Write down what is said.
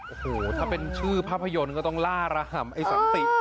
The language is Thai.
โอ้โหถ้าเป็นชื่อภาพยนตร์ก็ต้องล่าระห่ำไอ้สันติ